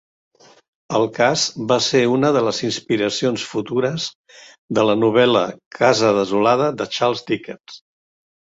El cas va ser una de les inspiracions futures de la novel·la Casa desolada de Charles Dickens.